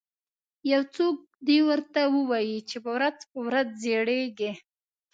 یو څوک دې ورته ووایي چې ورځ په ورځ زړیږي